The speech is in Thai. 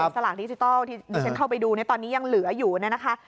สลากดิจิทัลที่ดิฉันเข้าไปดูตอนนี้ยังเหลืออยู่เนี่ยนะคะ